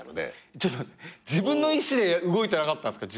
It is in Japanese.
ちょっと待って自分の意思で動いてなかったんすか？